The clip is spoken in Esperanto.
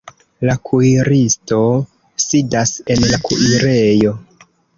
La kuiristo sidas en la kuirejo.